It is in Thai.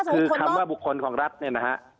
คือคำว่าบุคคลของรัฐเนี่ยนะฮะ